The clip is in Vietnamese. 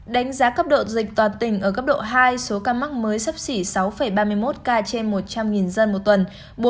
đánh giá cấp độ dịch toàn tỉnh ở cấp độ hai số ca mắc mới sắp xỉ sáu ba mươi một ca trên một trăm linh dân một tuần